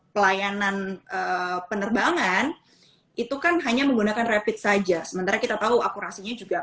pelayanan penerbangan itu kan hanya menggunakan rapid saja sementara kita tahu akurasinya juga